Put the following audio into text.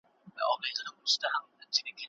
ووايي.